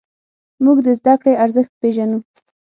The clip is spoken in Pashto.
موږ د زدهکړې ارزښت پېژنو.